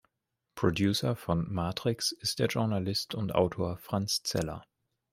Producer von Matrix ist der Journalist und Autor Franz Zeller.